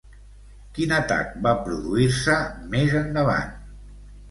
Quin atac va produir-se més endavant?